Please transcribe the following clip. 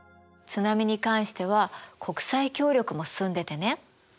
津波に関しては国際協力も進んでてね